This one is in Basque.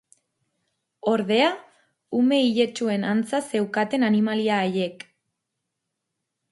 Ordea, ume iletsuen antza zeukaten animalia haiek...